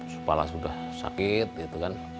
kepala sudah sakit